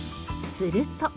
すると。